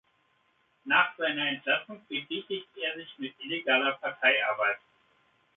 Nach seiner Entlassung betätigte er sich mit illegaler Parteiarbeit.